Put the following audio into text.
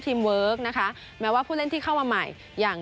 เวิร์คนะคะแม้ว่าผู้เล่นที่เข้ามาใหม่อย่าง